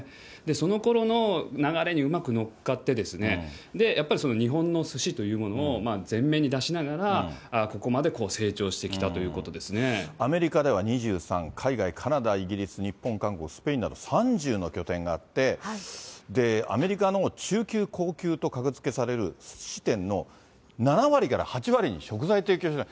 そのころの流れにうまく乗っかって、やっぱりその日本のスシというものを前面に出しながら、ここまでアメリカでは２３、海外、カナダ、イギリス、日本、韓国、スペインなど、３０の拠点があって、アメリカの中級、高級と格付けされるすし店の７割から８割に食材提供した。